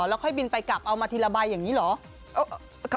แล้วค่อยบินไปกลับเอามาทีละใบอย่างนี้เหรอ